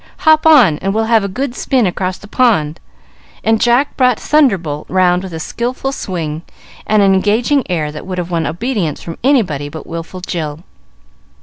Hop on and we'll have a good spin across the pond;" and Jack brought "Thunderbolt" round with a skilful swing and an engaging air that would have won obedience from anybody but wilful Jill.